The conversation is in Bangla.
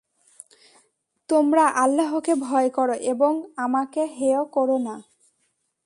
তোমরা আল্লাহকে ভয় কর ও আমাকে হেয় করো না।